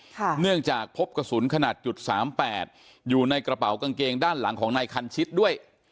เนื่องจากพบกระสุนขนาดจุดสามแปดอยู่ในกระเป๋ากางเกงด้านหลังของนายคันชิดด้วย